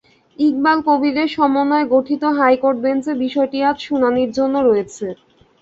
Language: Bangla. ইকবাল কবীরের সমন্বয়ে গঠিত হাইকোর্ট বেঞ্চে বিষয়টি আজ শুনানির জন্য রয়েছে।